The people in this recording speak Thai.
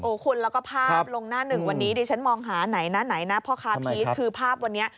คุณแล้วก็ภาพลงหน้าหนึ่งวันนี้ดิฉันมองหาไหนนะไหนนะพ่อค้าพีชคือภาพวันนี้